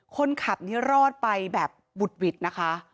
คนขับนี้รอดไปแบบบุดหวิดนะคะ